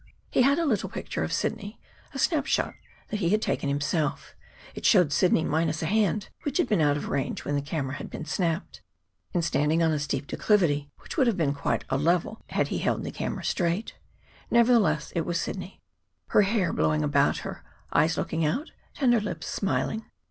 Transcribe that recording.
He had a little picture of Sidney a snap shot that he had taken himself. It showed Sidney minus a hand, which had been out of range when the camera had been snapped, and standing on a steep declivity which would have been quite a level had he held the camera straight. Nevertheless it was Sidney, her hair blowing about her, eyes looking out, tender lips smiling.